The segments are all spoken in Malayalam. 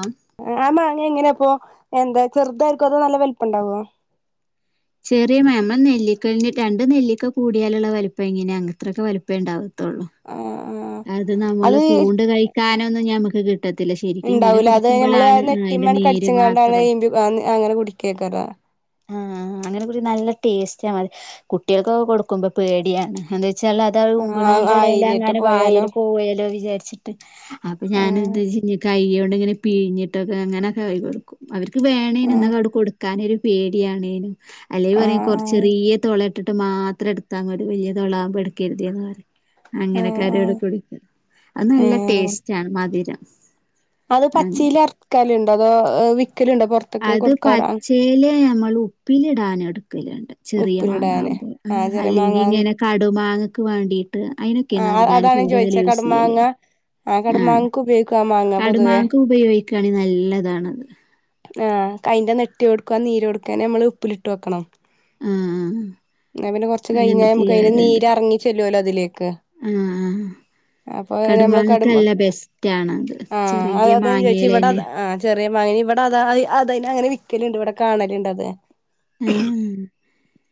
ആഹ് ഇങ്ങനെ ഇപ്പൊ എന്താ ചെറുതായിരിക്കോ അതോ നല്ല വലിപ്പം ഇണ്ടാവോ- ചെറിയ മാമം നെല്ലിക്ക തന്നെ രണ്ട് നെല്ലിക്ക കൂടിയാലുള്ള വലിപ്പം എങ്ങനെയാ അത്രയ്ക്ക വലിപ്പെ ഇണ്ടാവു- ത്തൊള്ളു ആ ആ അത് ഞമ്മള് പൂണ്ട് കൈയ്ക്കാനൊന്ന് ഞമക്ക് കിട്ടത്തില്ല ശെരിക്കും ഇങ്ങനെ ഇണ്ടാവൂല അത് നമ്മള് കൂടിക്കുമ്പളാൺ അയിന്റെ നെട്ടിമ്മേണ്ട് നീര് കടിച്ച്ങ്ങാണ്ടാണ് മാത്രം ഈമ്പി അങ്ങനെ കുടിക്കേക്കാരം ആ അങ്ങനെ കുടി നല്ല ടേസ്റ്റാണ് കുട്ടിയെൾകൊക്കെ കൊട്ക്കുമ്പോ പേടിയാണ് അത് ച്ചാൽ അത് അയ് ആ ഊമ്പ്ണെയിന്റെ എടെൽ ആയിലേറ്റെ എങ്ങാനും പോയാലോ വായേല് പോയാലോ വിചാര് ച്ചിട്ട് അപ്പ ആ ഞാൻ ഉദ്ദേശിച്ചു കൈയ്യൊണ്ട് ണ്ട് ഇങ്ങനെ പിഴ്ഞ്ഞിട്ടൊക്കെ ഇങ്ങനൊക്കെ ആക്കി കൊട്ക്കും അവര് ക്ക് ആ വേണേനും ഇന്നാങ്ങട്ട് കൊട്ക്കാനൊരു പേടിയാണെനും അല്ലെയ് ആ പറിം കൊർച്ച് ചെറിയ തോള ഇ ഇട്ട്‌ട്ട് മാത്രം ഇട്ത്താ മതി വല്യ തോള ആയുമ്പോ ഇട്ക്കര്‌തെന്ന് പറിം ആ ആ അങ്ങനെ ആ [unintelligible] അത് ഏ നല്ല ടേസ്റ്റാണ് മ ധ്‌രം അത് പച്ചീൽ അര്ക്കെൽ ഇണ്ടോ അതോ വിക്കെൽ ഇണ്ടോ പൊർത്തൊക്കെ കൊട്ക്കാർ അങ്ങ ൾ ഉപ്പില് ഇടാനെട് ക്കെൽ ഇണ്ട് ചെറിയ മാങ്ങ ഉപ്പിലിടാന് അവുമ്പോ ആ ചെറിയ മാങ്ങ അല്ലെങ്കി ഇങ്ങനെ കടു മാങ്ങ ക്ക് വാണ്ടിട്ട് അയി ആ അ അതാണ് ചോയിച്ചാ കടുമാങ്ങ ആ ആഹ് കടുമാങ്ങക്ക് ഉപയോയിക്കും ആ മാങ്ങാ പൊതുവേ കടുമാങ്ങക്ക് ഉപയോഗിക്കാണെങ്കി നല്ലതാണത്. ആ അയിൻ്റെ നെറ്റി ഓട് ക്കും ആ നീരൊട്ക്കനെ നമ്മൾ ഉപ്പിലിട്ട് വെക്കണം ആഹ് ന്നാ പിന്നെ കൊർച്ച് കെയ്ഞ്ഞാ അങ്ങനെ ഞമ്മക്ക് അയിന്റെ നീര് അറങ്ങി ചെല്ലൊലോ അതിലേക്ക് ആ അപ്പൊ നമ്മള് കടുമാക്ക് കടുമ്പ നല്ല ബെസ്റ്റാണ് അത് ആഹ് അത് ചെറിയ അതാ ഞാൻ ചോദിച്ചെ ഇവിടെ അത് മാങ്ങെലെന്നെ ആഹ് ചെറിയ മാങ്ങെൽ ഇവടെ അതാ അയ് അതെയ്ൻ അങ്ങനെ വിക്കെലിണ്ട് ഇവടെ കാണെൽ ഇണ്ട് അത് ഉം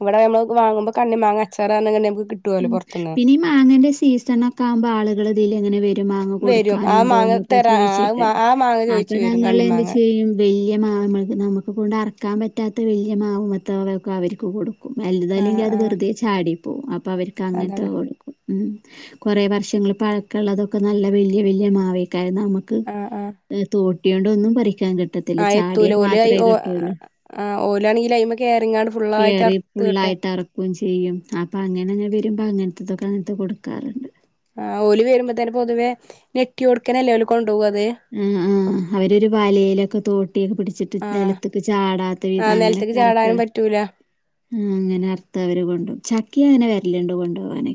ഇവടെ ഞമ്മൾ വാങ്ങുമ്പം കണ്ണി മാങ്ങ അച്ചാർ പർൺക്കാണ്ടെന്നെ വ് ഉം പിന്നെ ഈ മാങ്ങൻ്റെ സീസൺ ഒക്കെ ആവുമ്പോ ആളുകൾ ഇതിലെ ഇങ്ങനെ വെരും മാങ്ങ വരും കൊടുക്കാൻ ആ മാങ്ങ ഇണ്ടോന്നൊക്കെ തരാ ചോയിച്ച്ട്ട് ആഹ് ആ മാങ്ങ ചോയിച്ചു അപ്പ വരും ഞങ്ങൾ എന്ത് കണ്ണിമാങ്ങ ചെയ്യും വെയി വല്യ മാവാ ഞമ്മൾത് ഞമ്മക്ക് കൊണ്ട് അറക്കാൻ പറ്റാത്ത വല്യ മാവുമെത്തെ അവയൊക്കെ അവർക്ക് കൊടു വെൽത് അല്ലെങ്കി ആഹ് അത് ആഹ് വെറ്തെ ചാടി പോ പോവും അ പ്പ അവര്ക്ക് അങ്ങൻത്തെ അതാണ് കൊട്ക്കും ഉം കൊറേ വർഷങ്ങൾ പഴക്കമുള്ളതൊക്കെ നല്ല വലിയ വലിയ മാവേ [unintelligible] നമുക്ക് ആഹ് ആഹ് തോട്ട [unintelligible] എന്നും പറി കിട്ടത്തില്ല ആഹ് ചാടിയ എത്തൂല ഓല് മാത്രമേ ഓ കിട്ടുള്ളൂ ആഹ് ഓലാണെങ്കില് അയിമ്മെ കേറിങ്ങാണ്ട് ഫുള്ളായിട്ട് കേറി അറുത്ത് ഇങ്ങട്ട് ഫുള്ളായിട്ട് ഇറക്കയും ചെയ്യും ആ അങ്ങനെങ്ങനെ വരുമ്പോ അങ്ങനത്തതൊക്കെ അങ്ങനത്തെ കൊടുക്കാറുണ്ട് ആ ഓല് വരുമ്പോ തന്നെ പൊതുവെ നെട്ട്യോടുക്കനെല്ലേ ഓല് കൊ ആ ആ അവരരു വലയിലൊക്കെ തോട്ടിയൊക്കെ പിടിച്ചിട്ട് ആഹ് നിലത്തക്ക് ചാടാത്ത വിധം ആഹ് നെലത്ത്ക്ക് അങ്ങനൊക്കെ ഇറക്ക ചാടാനും പറ്റൂല ആഹ് ആ അങ്ങനെ അർത്ത് അവര് കൊണ്ടും ചക്കി അങ്ങനെ വ ഇല്ലാണ്ട് കൊണ്ട് പോകനെ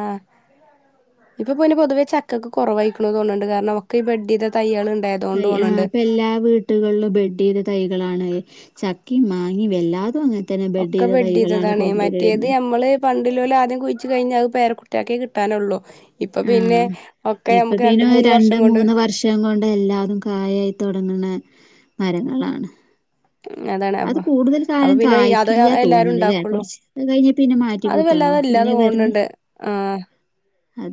ആഹ് ഇപ്പൊ പിന്നെ പൊതുവേ ചക്കക്കെ കൊറവായിക്കണന്ന് തോന്നുന്നുണ്ട് കാരണം ഒക്കെ ഈ ബഡ് തൈകള് തൈ ആ അപ്പൊ എല്ലാ വീട്ടുകളിലും ബെഡ് ചെയ്ത തൈകളാണ് ചക്കി മാ ഈ വല്ലാതൊ നെ ഒക്കെ ബഡെയ്തതാണേ. മറ്റേത് നമ്മള് പ ഇ ലൊ ലെ ആദ്യം കുഴച്ച് കഴിഞ്ഞാൽ അത് പേര കുട്ടിയാക്കെ കിട്ടാനുള്ളു ആ ഇപ്പൊ പിന്നെ മൂന്ന് രണ്ട് വർഷം കൊണ്ട് മൂന്ന് വർഷം കൊണ്ട് എല്ലാതും കായായിത്തൊടങ്ങണെ മരങ്ങളാണ് അതാണ് അത് അപ്പൊ കൂടുതൽ അപ്പൊ കാലം പിന്നെ അത് കായ്ക്കില്ല എല്ലാരും തോന്നണല്ലേ ഉണ്ടാക്കുള്ളൂ കുറച്ച് കഴിഞ്ഞാ പിന്നെ അത് മാറ്റികുത്തണം വല്ലാതെ ഇല്ലാ ഇങ്ങനെ വന്ന് അ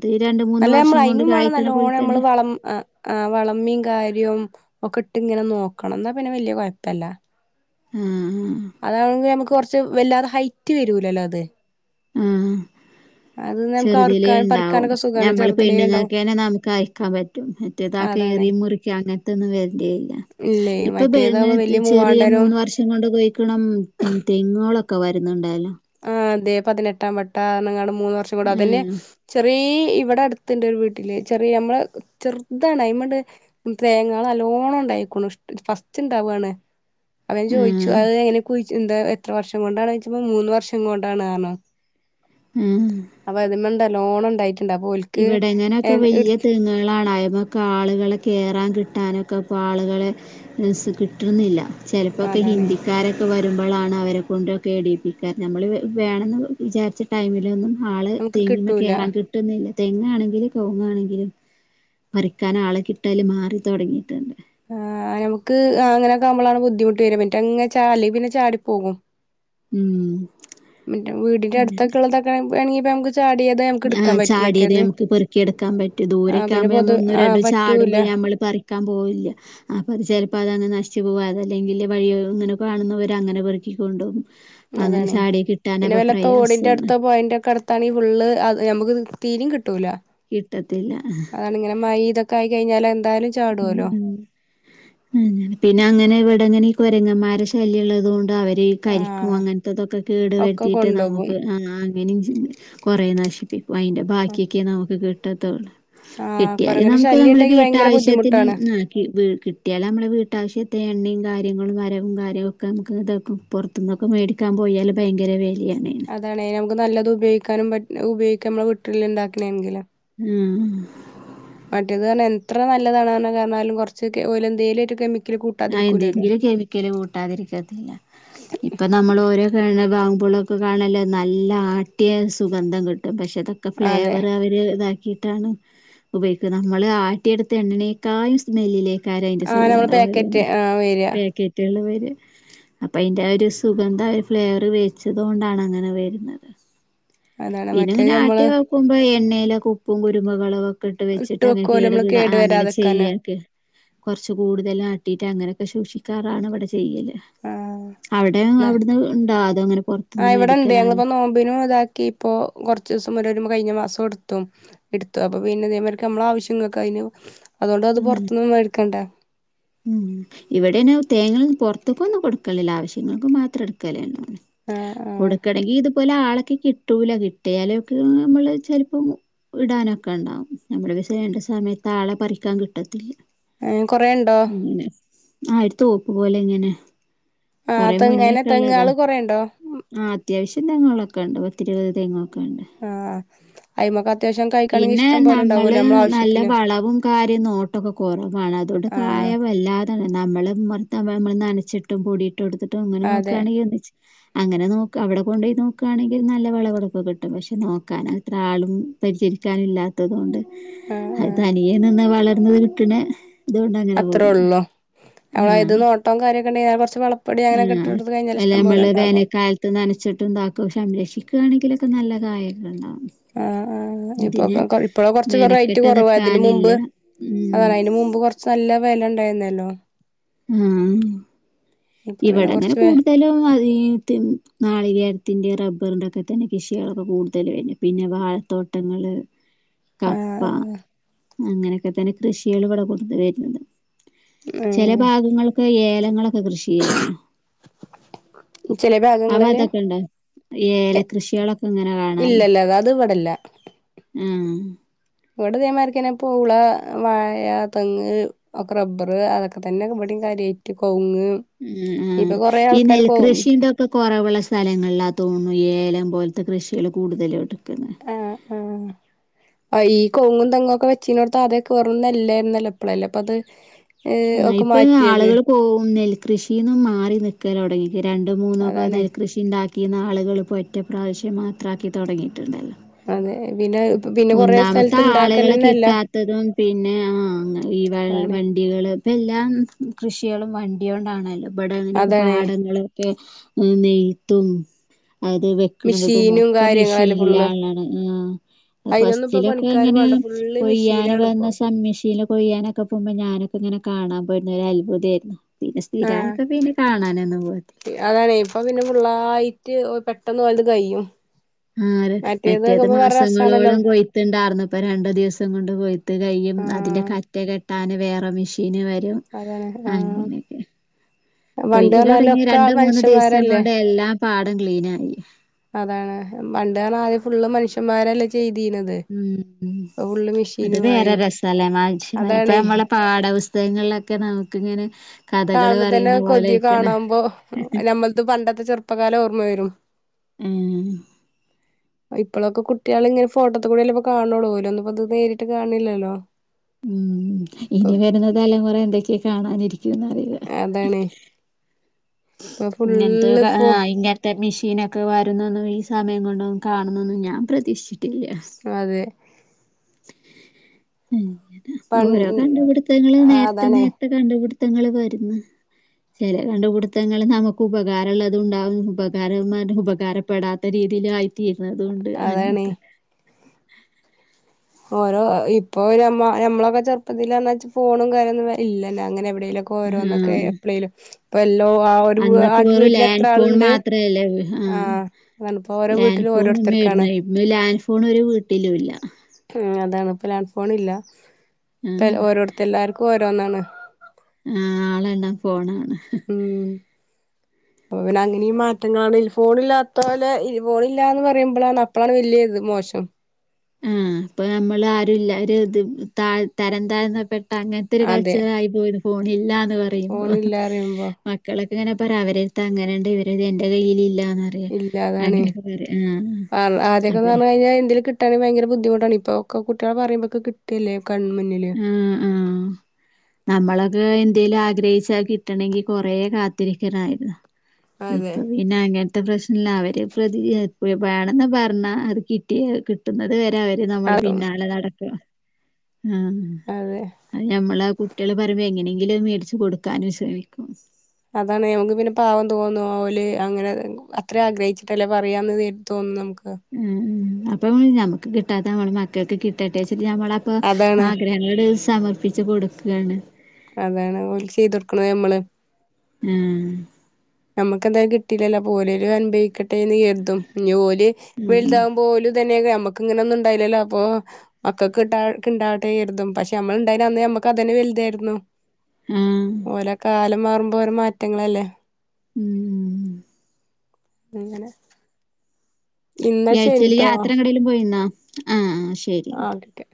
അല്ല നമ്മള് അതിനും വേണം നല്ലോണം നമ്മള് തന്നെ വളം ആ വളമ്മും കാര്യവും ഒക്കെ ഇട്ട് ഇങ്ങനെ നോക്കണം. എന്നാ പിന്നെ വല്യ കൊയപ്പ ഇല്ല. ആ അതാണെങ്കിൽ നമക്ക് കൊറ [unintelligible] വല്ലാതെ ഹൈറ്റ് വരൂലല്ലോ അത്. ആ അത് നമുക്ക് അറുക്കാൻ ചെറുതിലെണ്ടാവും പറിക്കാനൊക്കെ സുഖാണ് നമ്മള് ചെറുതിലേ ഉണ്ടാവും പെണ്ണുങ്ങൾക്ക് തന്നെ നമുക്ക് അയക്കാൻ പറ്റും മറ്റേതാക്ക് അതാണ് കറിയ മുറിക്ക അങ്ങനത്തെ ഒന്നും വരണ്ടില്ല ഇല്ലേ ഇപ്പൊ പെങ്ങ മറ്റേതാകുമ്പോ വലിയ ചെറിയ മൂവാണ്ടനും മൂന്ന് വർഷം കൊണ്ട് കായ്ഴക്കണ തെങ്ങുകളൊക്കെ ഒക്കെ വരുന്നുണ്ടല്ലോ. ആ അതെ പതിനെട്ടാം വട്ട എന്നങ്ങാണും മൂന്ന് വർഷം കൊണ്ട് അതന്നെ ഉം ചെറീ ഇവിടെ അടുത്തുണ്ട് ഒരു വീട്ടില്. ചെറിയ നമ്മളെ ചെറുതാണ്. അയ്മ്മേടെ തേങ്ങള് നല്ലോണം ഉണ്ടായിക്കോണു ഇഷ്ട ഫസ്റ്റ് ഇണ്ടാവാണ്. അവൻ ചോദിച്ചു ഉം അത് എങ്ങനെ കുഴിച്ചു എന്താ എത്ര വർഷം കൊണ്ടാണ് ചോയിച്ചപ്പോ മൂന്ന് വർഷം ങ്ങോട്ടാണ് ആണോ? അപ്പം അതിമ്മെ ഇണ്ടാ ലോണുണ്ടായിട്ട്- ഇവിടെ എങ്ങനക്ക് വെല്യ തേങ്ങുകള ളാ- ഇപ്പം കാള്‌കള് കേറാൻ കിട്ടാനൊക്കെ ഇപ്പ ആളുകളെ മിസ് കിട്ടുന്നില്ല- ചെലപ്പോ ക്കെ അതാണ് ഹിന്ദിക്കാര് ഒക്കെ വര് നമ്മളാണ് അവരേ കൊണ്ടൊക്കെ ഇടീപ്പിക്കാൻ നമ്മള് വേ വേണമെന്ന് വിചാരിച്ച ടൈമിലൊന്നും- ആള് നമുക്ക് തെങ്ങുമ്മേ കിട്ടൂല കേറാൻ കിട്ടുന്നില്ല തെങ്ങ് ആണെങ്കിലും കവുങ്ങ് ആണെങ്കിലും പറിക്കാൻ ആളെ കിട്ടല് മാറി തൊടങ്ങിയിട്ടുണ്ട് ആ ഞമ്മക്ക് അങ്ങനൊക്കെ ആവുമ്പോളാണ് ബുദ്ധിമുട്ട് വരിക മറ്റേ ഇങ്ങനെ ചാലി ഇങ്ങനെ ചാടി പോകും- ഉം പിന്നെ വീടിന്റെ അടുത്തൊക്കെ ഉള്ളതക്കെ- വേണെങ്കി നമുക്ക്- ചാടിയത് നമുക്ക് ആ എടുക്കാൻ പറ്റും ചാടിയതേ മറ്റേത് നമുക്ക് പെറുക്കിയെടുക്കാൻ പറ്റു ആഹ് പിന്നെ ദൂരെയൊക്കെയാവുമ്പോൾ പൊതു നമ്മള് ആഹ് ഇങ്ങനെ പറ്റൂല ചാടുമ്പോ നമ്മള് പറി- ക്കാൻ പോവില്ല അപ്പം അത് ചിലപ്പോ അത് അങ്ങ് നശിച്ചു പോകും അതല്ലെങ്കിൽ വഴീൽ ഇങ്ങനെ കാണുന്നവർ അങ്ങനെ പെറുക്കി കൊണ്ട്പോം- അതാണ് പിന്നെ വെല്ല തോടിന്റെ പ്രയാസാണ്. അടുത്തോ പൊയേന്റെ ഒക്കെ അടുത്ത് ആണെങ്കി ഫുള്ള് അത്- ഞമ്മക്ക് തീരേം കി ട്ടൂല കിട്ടത്തില്ല. അതാണ് ഇങ്ങനെ മൈ ഇതക്കെആയ്- കയിഞ്ഞാല്- ഉം ഉം ഉം പിന്നെ അങ്ങനെ ഇവിടിങ്ങനെ ഇവി കൊരങ്ങമ്മാര് ശല്യം ഉള്ളതുകൊ ണ്ട് അവര് ഈ കരിക്കും ആഹ് അങ്ങനത്തതൊക്കെ കേടു ഒക്കെ വരുത്തിയിട്ട് കൊണ്ടോകും നമുക്ക് ആ ഉം കൊറേ നശിപ്പി വൈയിന്റെ ബാക്കിയെക്കേ നമുക്ക് കി ട്ടത്തൊള്ള് ആഹ് കിട്ടിയാലും കൊരങ്ങന്റെ നമുക്ക് ശല്യം നമ്മുടെ ഇണ്ടെങ്കി ഭയങ്കര വീട്ടാവശ്യ ബുദ്ധിമുട്ടാണ് കിട്ടിയാല് നമ്മടെ വീട്ടാവശ്യ എണ്ണയും കാര്യങ്ങളും വരവും കാര്യവും ഒക്കെ നമുക്ക് പൊറത്തൂന്ന് ഒക്കെ മേടിക്കാൻ പോയാല് ഭയങ്കര വെ ലയാണ് ണെനും അതാണെ നമുക്ക് നല്ലത് ഉപയോഗിക്കാനും പറ്റ് ഉപയോഗിക്കാൻ നമ്മടെ വീട്ടിൽ ഉണ്ടാക്കണെ ആണെങ്കില് ഉം മറ്റേത് പറഞ്ഞാ എത്ര നല്ലതാണെന്നൊക്കെ പറഞ്ഞാലും കൊറച്ച് ഓയിൽ എന്തേലുമൊരു ഒരു കെമി ആ എന്തെങ്കിലും കെമിക്കല് കൂട്ടാതെ ഇരിക്കത്തില്ല ഇപ്പം നമ്മള് ഓരോ [unintelligible] [unintelligible] നല്ല ആട്ടിയ സുഗന്ധം കി ട്ടും പക്ഷെ അതൊക്കെ അതെ ഫ്ലേവറ് അവര് ഇതാ ഇതാണ് ഉപയോഗിക്യ നമ്മള് ആട്ടി എട്ത്ത എണ്ണനേക്കായ് സ്മെല്ലില്ലേ കാരാ അയ്‌ന്റെ സുഗന്ധം ഓരോ ആ വര്ആ ഫ്ളേവര് അപ്പെഅയ്ൻ്റെആരു സുഗന്ധാഫ്ളേവ്റ് വെച്ചതോണ്ടാണങ്ങനെ വരുന്നത് അതാണ് പിന്നെങ്ങനെ മറ്റേത് നമ്മള് ആട്ടിനോക്കുമ്പയെണ്ണേ- അയ്ലെ ഉപ്പും, കുരുമുളകും അടുപ്പി ഇട്ട് വെച്ചിട്ട് വെക്കോലോ അങ്ങ്കേട്കീട് നമ്മള് [unintelligible] ആ കേടു അങ്ങനെ വരാതെക്കാന് ചെയുക കൊറച്ചു കൂടുതല് ആണ് അങ്ങനൊക്കെ ഷൂഷികാറാണ് പടിപ്പിച്ചേ അവിടുന്ന് ഉണ്ടോ അതോ അങ്ങനെ ആ പുറത്തുന്ന് ഇവ്ടെണ്ട് മേടിക്കലാണ് ഞങ്ങ്ളിപ്പം നോമ്പിനുതാക്കീപ്പം കൊറച്ചുദിവസം ഒരു - കയിഞ്ഞമാസോടുത്തു അപ്പപ്പിന്നെ നമ്മടെ ആവശ്യങ്ങൾ കഴിഞ്ഞു അതോണ്ട് അത് പൊറത്തൂന്നൊന്ന് വെടിക്കേണ്ട ഇവിടേന് തേങ്ങ പൊറത്തെക്കൊന്നും കൊടുക്കക്കില്ല ആവശ്യങ്ങൾക്കു മാത്രെടുക്കലേന്നെ ആ കൊടുക്കണെങ്കിൽ ഇതുപോലാള്- കിട്ടൂല കിട്ടിയാലും ചെലപ്പം ഇടാനൊക്കേണ്ടാവും നമ്മള് പക്ഷെ സമയത്താളെ പറിക്കാൻ കിട്ടത്തില്ല ഏ കൊറേയുണ്ടോ? അങ്ങനെ ആ ഒരു തോക്കുപോലെയിങ്ങനെ ആ കൊറേ തെങ്ങ് അയിന് മുന്നേക്കെ ഒള്ള തെങ്ങാള് ഇതാണ് കൊറേ ഉണ്ടോ ആ അത്യാശ്യം തെങ്ങുകളൊക്കെയ്ണ്ട് ഇരുപത് തെങ്ങ് ആ അയിമക്ക് അത്യാവശ്യം കഴിക്കണെങ്കിൽ പിന്നെ ഇഷ്ടം പോലെ നമ്മള് ഉണ്ടാവൂലേ നമ്മളെ നല്ല ആവശ്യത്തിന് വളവും കാര്യനോട്ടോക്കെ കൊറവാണ് അതോണ്ട്- ആ വെല്ലാതെതന്നെ അമ്മ്ള് മൊത്തം നനച്ചിട്ടും പിടിയാ ഇട്ടോടുത്തിട്ട് ങ്ങനെ അതെ നോക്കാണെങ്കിന്നിച്ച് അങ്ങനെനോക്ക് അവിടെ കൊണ്ടോയി നോക്കാണെങ്കിൽ നല്ല വെളവ്ളൊക്കെക്കിട്ടും പഷേ നോക്കാനായിത്രാളും പരിചരിക്കാനില്ലാത്തതുകൊണ്ട് ആ ആ തനിയെ നീന്ന് വളർന്നു - ഇന്ന്ത് കിട്ടണെ ത് പിന്നെ ഇഞ്ഞനേ അത്രേ പോകും ഉള്ളൂ നമ്മള ആഹ്ആ ഇത് നോട്ടം കാര്യൊക്കെ ഉണ്ടെങ്കിൽ കുറച്ച് വളപ്പൊടി അങ്ങനൊക്കെ ഇട്ട് ആഹ് കൊടുത്ത് കഴിഞ്ഞാൽ ഇഷ്ടം പോലെ വെലേമ്മ്ള് ഉണ്ടാകും വേനേക്കാൽത് നനശ്ശിട്ട്താക്കു സംരക്ഷക്ക്ആണെങ്കി നല്ല- കായൊക്കെണ്ടാവും ആ ആ ഇപ്പൊക്കെ കൊഴ് ഇപ്പഴാ കൊറച്ച് റേറ്റ് മെനക്കെട്ട് കൊറവ് അതിന് മുമ്പ് നിക്കാനില്ല ഉം അതതയിനു മുമ്പ് കൊറച്ച് നല്ല വെയ്ല്ണ്ടായ്ന്നല്ലോ ആഹ് ഇപ്പൊ പിന്നെ ഇവിടങ്ങനെ കുറച്ച് വെ കൂട്തലും അതീ തിൻ നാളികേരത്തിൻ്റെയാ റബ്ബറിൻ്റെക്കെത്തന്നെ കൃഷി കളൊക്കെ കൂടുതല് തന്യേ പിന്നെ വാഴത്തോട്ടങ്ങള് ആ കപ്പ അങ്ങനെ ഇപ്പത്തന്നെ ക്യഷികളിവടെ കൂടുതലാ [unintelligible] ചെല ഉം ഭാഗങ്ങൾക്ക് ഏല ഇങ്ങളൊക്കെ കൃഷി ചെലെ അപ്പൊ ഭാഗങ്ങളില് അതൊക്കെ ഉണ്ടോ ഏല കൃഷിയെളൊക് ഇല്ലല്ല അത് ഇവിടെല്ല ഉം ഇവിടെ ഇതേ മാരിക്കന്നെ പൂള വാഴ തെങ്ങ് ഒക്കെ റബ്ബർ അതൊക്കെ തന്നെ ഇവിടെം കാര്യയിട്ട് കവ്ങ്ങ് ഉം ഉം ഇ നെൽ കൃഷി ഇതൊക്കെ കൊറവ്ള്ള സ്ഥലങ്ങളിലാ തോന്ന്ണ് ഏലം പോൽ- ത്തെ കൃഷികള് കൂടുതലും അട്ക്ക് ആ ആ ഈ കൊവുങ്ങും തെങ്ങും ഒക്കെ വച്ചീന്നോട്ത്ത് ആദ്യക്കെ വെറും നെല്ലായ്ര്ന്നല്ലോ ഇപ്പളല്ലേ പ്പത് ഉം ഇപ്പൊ ആളുകൾ പോവും നെൽ കൃഷിന്ന് മാറി നിക്കലൊടങ്ങി രണ്ട് മൂന്ന് അതാണ് പതി കൃഷി ണ്ടാ ഈ നാളുകള് പൊറ്റ പ്രാവശ്യം മാത്രാക്കി തൊടങ്ങി അന്ന് പിന്നെ പിന്നെ കുറെ ഒന്നാമത്തെ സ്ഥലത്ത് ആളുകളെ ണ്ടാക്കലന്നല്ല കിട്ടാത്തതും പിന്നെ ആ അങ്ങ് ഈ വാ വണ്ടികള് ഇപ്പെല്ലം കൃഷ്യളും വണ്ടിയൊണ്ടാണല്ലോ വിടങ്ങനൊക്കെ അതാണ് പാടങ്ങള് [unintelligible] ഉം നെയ്ത്തും അത് വെക്കണതും മിഷീനും ഒക്കെ കാര്യങ്ങളല്ലേ മെഷീലാ ഫുള്ള് ലാണ് ആ അയിനൊന്നും ഇപ്പോ ഫസ്റ്റിലോക്കെ പണിക്കാര് അങ്ങനെ വേണ്ട ഫുള്ള് കൊയ്യാനും മെഷീനാണ് ഇപ്പോ വന്ന സമ്മഷീൻ കൊയ്യാനൊക്കെ പോകുമ്പോ ഞാ [unintelligible] ഇങ്ങനെ കാണാൻ പറ്റുന്നെ ഒരൽബുദ്ദേരുന്നു പിന്നെ സ്ഥിരായപ്പോ പിന്നെ കാണാനൊന്നും പോകത്തില്ല റ്റ് പെട്ടെന്ന് ഓലത് കയിയും ആര് മറ്റേത് രസാണല്ലോ മാസങ്ങളോളം കൊയത്ത്‌ ണ്ടാർന്ന് ഇപ്പൊ രണ്ട് ദിവസം കൊണ്ട് കൊയ്ത്ത് കയിയും അതിൻ്റെ ആഹ് കറ്റ കെ ട്ടാന് വേറെ മെഷീൻ വെ രും അതാണ് ആഹ് അങ്ങനെ ഒക്കെ പണ്ട് കൊയ്യല് പറഞ്ഞാല് തൊടങ്ങി ഒക്കെ രണ്ട് മൂന്ന് ദിവസം മനുഷ്യന്മാരല്ലേ കൊണ്ട് എല്ലാം പാടം ക്ലീനായി അതാണ് പണ്ട് [unintelligible] ഫുള്ള് മനുഷ്യന്മാരല്ലേ ചെയ് ഉം ഉം അത് മെഷീനു വേറെ ആയി രസാലെ മാന്ഷമാര് ഇപ്പൊ അതാണ് ഞമ്മളെ പാഠപു തകങ്ങളൊക്കെ നമുക്കിങ്ങനെ കഥകള് കാണുമ്പത്തന്നെ പറയുന്ന കൊതി പോലെയിക്കണ്. കാണമ്പോ ഞമ്മൽത്ത്‌ പണ്ടത്തെ ചെറുപ്പകാലം ഓർമ്മ വേരും ഉം ഇപ്പളൊക്കെ കുട്ടികള് ഇങ്ങ ഫോട്ടോത്ത് കൂടി അല്ലേ ഇപ്പൊ കാണുന്നുള്ളൂ ഓലൊന്നും ഇപ്പോ ഇത് നേരിട്ട് കാൺണില്ലോ ഉം ഇനി വരുന്നതലമോറ എന്തൊക്കെ കാണാൻ ഇരിക്കു ഏതാണ് പ്പോ ഫുള്ള് ഫോ ത്തെ മിഷീനൊക്കെ വരുന്നൂന്നും ഈ സമയം കൊണ്ട് കാണുന്നൊന്നും ഞാൻ പ്രതിക്ഷിച് ട്ടില്ല. അതെ അങ്ങനെ പൺ ഓരോ കണ്ടുപിടുത്തങ്ങൾ ആഹ് നേരത്തെ അതാണേ നേരത്തെ കണ്ട്പിടി ത്തങ്ങള് വര്ന്ന്. ചേലെ കണ്ട്പ്ട്ത്തങ്ങൾ നമുക്ക് ഉപകാരള്ളതുണ്ടാകും ഉപകാരം പറഞ്ഞ് ഉപകാരപെടാത്തരീതിയിൽ ആയി ത്തീരുന്നതൂണ്ട്. അതാണേ അങ്ങനെത്തെ ഓരോ ഇപ്പൊ ഞമ്മ ഞമ്മളൊക്ക ചെറുപ്പത്തില് അർഞ്ഞാ ച്ച് ഫോണും കാര്യന്നും ഇല്ലന്നെ അങ്ങനെവി ടേലൊക്കെ ഓരോന്നൊക്കെ ആഹ് എപ്പളേലും. ഇപ്പൽ ല്ലോ ആ ഒരു വ് ആ അന്നൊക്കെ വീട്ടിൽ എത്രാള് ണ്ട് ആ ലാൻ ഓരോരുത്തർക്കാണ് ഫോൺമ്മേര്ന്ന് ഇന്ന് ലാൻ ഫോൺ ഒരു വീട്ടിലൂല്ല.. ഇപ്പ ലാൻറ് ഫോണ്ല്ല. ഇപ്പ ൽ ഓരോട്ത്ത് എല്ലാർക്കും ഓ രോന്നാണ്. ആഹ് ആളെണ്ണം ഫോൺ ആണ്. ഉം ഇപ്പ പിന്നങ്ങനിം മാറ്റങ്ങളാണേല് ഫോണില്ലാത്തോലെ ഈ ഫോണില്ലാന്ന് പറയുമ്പളാണ് അപ്പളാണ് വെല്യേ മോശം. ആ പ്പോ നമ്മൾ ആരുല്ലാ ഒരിത് ത്താ തരംതാഴ്ന്ന പേ അങ്ങൻത്തൊരു അതെ കൾച്ചറായിപോയി ണ്. ഫോണില്ലാ ന്ന് പറയുമ്പോ ഫോണില്ലാ പറയുമ്പോ മക്കൾ ഇങ്ങനെ പറ അവരെട്ത്ത് അങ്ങനെണ്ട് ഇവരെ ത് എന്റെ കയ്യിലില്ല ഇല്ലതാണെ ആഹ് ആ ആദ്യക്കേ അതെ പർഞ്ഞ ഞാ എന്തെലും കി ട്ടനെ ഭയങ്കര ബുദ്ധിമുട്ടാണ് ഇപ്പൊ ഒക്കെ കുട്ട്യള് പറീ ബൊക്കെ കിട്ടല്ലേ കൺമുന്നില് ആ ആ നമ്മളക്കാ എന്തേലും ആ ഒരൈസാ കിട്ടണങ്കി കൊറേ കാത്തിരിക്കാണായിരുന്നു. ഇപ്പ അതെ പിന്നങ്ങൻ ത്ത പ്രശ് എല്ലാവരും പ്രതീ അ പുത്യേ വേണന്ന് പർഞ്ഞ അത് കിട്ടിയേ കിട്ടുന്നത് വ രെ അവര് നമ്മളെ അതും പിന്നാലെ നടക്ക ഉം അതെ അഅ് ഞമ്മളാ കുട്ട്യേള് പറയുമ്പോ എങ്ങനെ [unintelligible] മേടിച്ചു കൊടുക്കാനും ശ്രമിക്കും അതാണ് ഞമ്മക്ക് പിന്നെ പാവം തോന്നും ഓല് അങ്ങനെ അത്രേ ആഗ്രഹിച്ചിട്ടല്ലേ പറയാന്ന് [unintelligible] തോന്നും നമ്മക്ക് ആ ഉം അപ്പം ഞമ്മക്ക് കിട്ടാത്തത് ഞമ്മളെ മക്കൾക്ക് കിട്ടട്ടെ ഞമ്മൾ അപ്പം അതാണ് ആഗ്രഹങ്ങൾ സമർ അതാണ് ഓൽ ചെയ്ത് ക്കണം ഞമ്മൾ ഉം ഞമ്മൾക്ക് എന്തായാലും കിട്ടിലല്ലോ ഓലേലും അനുഭവിക്കട്ടെ കരുതും ഞ്ഞു ഓള് ഉം വലുതാവുമ്പോ ഓൽ തന്നെ ഞമ്മക്ക് ഇങ്ങനെ ഒന്നും ഇണ്ടായില്ലല്ലോ അപ്പോ മക്കൾക്ക് ഉണ്ടാവട്ടെ കരുതും പക്ഷെ ഞമ്മൾ ഇണ്ടായിനെ അന്ന് അതന്നെ വലുതായിരുന്നു ആഹ് ഓലെ ആ കാലം മാറുമ്പോ ഓരോ മാറ്റങ്ങൾ അല്ലെ ഉം അങ്ങനെ ഇന്നാ ഈ ആഴ്ച്ചയിൽ ശരിട്ടോ യാത്ര എങ്ങോട്ടേലും പോയിരുന്നോ ആ ആ ആ ഓക്കേ